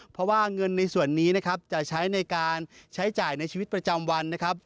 เพราะว่าเงินในส่วนนี้นะครับจะใช้ในการใช้จ่ายในชีวิตประจำวันนะครับ